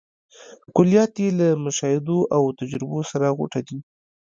کلیات یې له مشاهدو او تجربو سره غوټه دي.